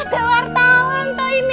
ada wartawan toh ini